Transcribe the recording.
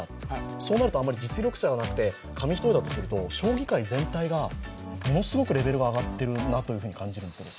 そうなるとあんまり実力差じゃなくて紙一重だとすると将棋界全体がものすごくレベルが上がっているなと感じるんですけど。